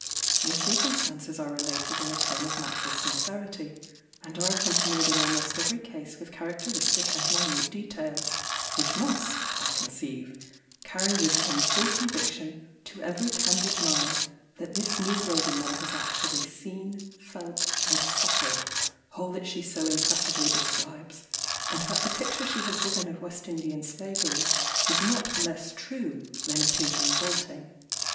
The circumstances are related in a tone of natural sincerity, and are accompanied in almost every case with characteristic and minute details, which must, I conceive, carry with them full conviction to every candid mind that this negro woman has actually seen, felt, and suffered all that she so impressively describes; and that the picture she has given of West Indian slavery is not less true than it is revolting.